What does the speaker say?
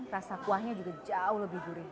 rasa kuahnya juga jauh lebih gurih